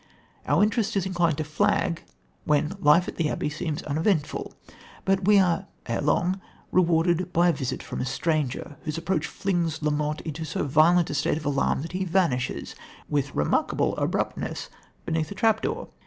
Our interest is inclined to flag when life at the abbey seems uneventful, but we are ere long rewarded by a visit from a stranger, whose approach flings La Motte into so violent a state of alarm that he vanishes with remarkable abruptness beneath a trapdoor.